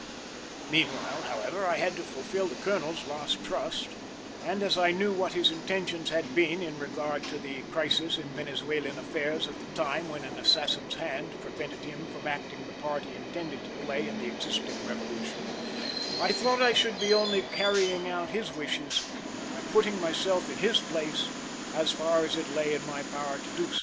Meanwhile, however, I had to fulfil the colonel's last trust, and as I knew what his intentions had been in regard to the crisis in Venezuelan affairs at the time when an assassin's hand prevented him from acting the part he intended to play in the existing revolution, I thought I should be only carrying out his wishes in putting myself in his place, as far as it lay in my power to do so.